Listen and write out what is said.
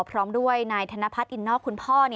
พร้อมด้วยนายธนพัฒน์อินนอกคุณพ่อ